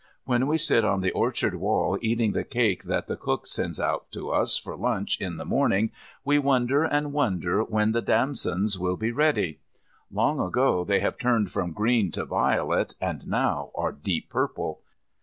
When we sit on the orchard wall eating the cake that the cook sends out to us for lunch in the morning we wonder and wonder when the damsons will be ready. Long ago they have turned from green to violet, and now are deep purple.